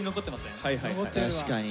確かに。